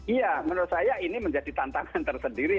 iya menurut saya ini menjadi tantangan tersendiri